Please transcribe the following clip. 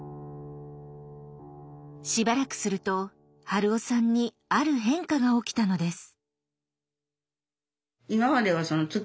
しばらくすると春雄さんにある変化が起きたのです。